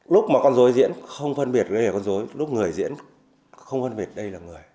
lúc mà con dối diễn không phân biệt gây con dối lúc người diễn không phân biệt đây là người